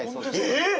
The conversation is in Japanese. えっ？